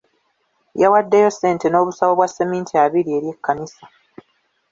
Yawaddeyo ssente n'obusawo bwa sseminti abiri eri ekkanisa.